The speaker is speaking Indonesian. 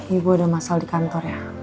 ibu ada masalah di kantornya